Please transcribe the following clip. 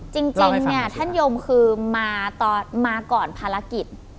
จริงเนี่ยท่านยมคือมาก่อนภารกิจ